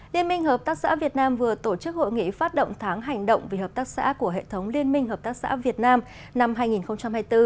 liên minh hợp tác xã việt nam vừa tổ chức hội nghị phát động tháng hành động vì hợp tác xã của hệ thống liên minh hợp tác xã việt nam năm hai nghìn hai mươi bốn